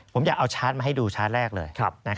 ผมอยากเอาชาร์จมาให้ดูชาร์จแรกเลย